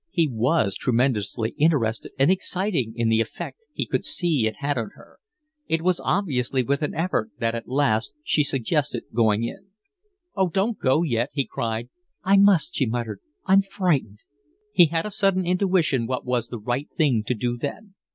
He was tremendously interested and excited in the effect he could see it had on her. It was obviously with an effort that at last she suggested going in. "Oh, don't go yet," he cried. "I must," she muttered. "I'm frightened." He had a sudden intuition what was the right thing to do then.